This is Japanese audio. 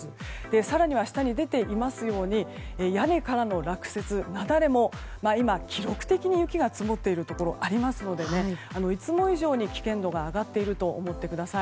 更には下に出ていますように屋根からの落雪、雪崩も今、記録的に雪が積もっているところがありますのでいつも以上に危険度が上がっていると思ってください。